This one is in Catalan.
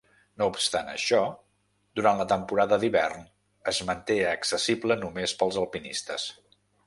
No obstant això, durant la temporada d'hivern es manté accessible només pels alpinistes.